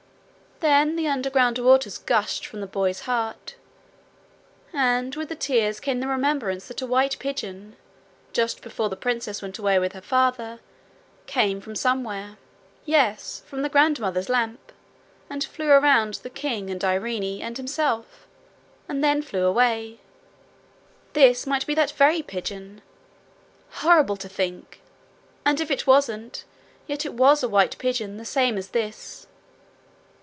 Then the underground waters gushed from the boy's heart. And with the tears came the remembrance that a white pigeon, just before the princess went away with her father, came from somewhere yes, from the grandmother's lamp, and flew round the king and Irene and himself, and then flew away: this might be that very pigeon! Horrible to think! And if it wasn't, yet it was a white pigeon, the same as this.